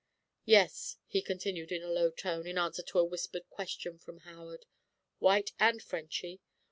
"Yes," he continued in a low tone, in answer to a whispered question from Howard; "White and Frenchy.